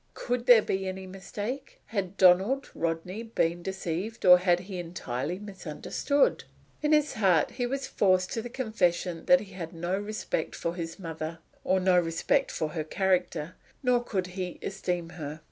Could there be any mistake? Had Donald Rodney been deceived or had he entirely misunderstood? In his heart he was forced to the confession that he had no respect for his mother, or no respect for her character, nor could he esteem her.